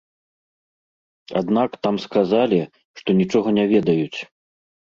Аднак там сказалі, што нічога не ведаюць.